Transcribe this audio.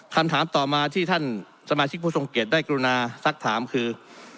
คำถามต่อมาที่ท่านสมาชิกผู้ทรงเกียจได้กรุณาสักถามคือ